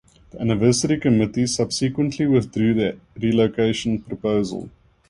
The anniversary committee subsequently withdrew their relocation proposal.